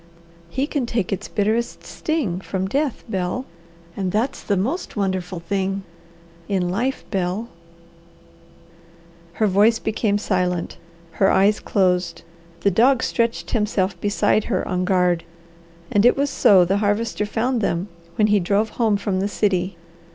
He can take its bitterest sting from death, Bel and that's the most wonderful thing in life, Bel " Her voice became silent, her eyes closed; the dog stretched himself beside her on guard, and it was so the Harvester found them when he drove home from the city.